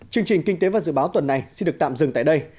chương trình kinh tế và dự báo tuần này xin được tạm dừng tại đây